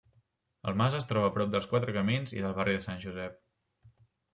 El mas es troba prop dels Quatre Camins i del barri de Sant Josep.